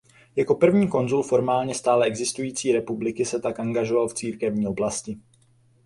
Jako první konzul formálně stále existující republiky se tak angažoval v církevní oblasti.